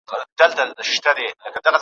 له ستوني د لر او بر یو افغان چیغه را وزي `